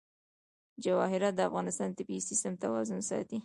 جواهرات د افغانستان د طبعي سیسټم توازن ساتي.